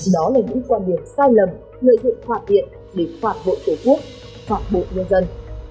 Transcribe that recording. đó là những quan điểm sai lầm lợi dụng phản biện để phản bội tổ quốc phản bội nhân dân